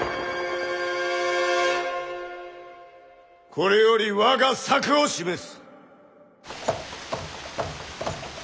これより我が策を示す。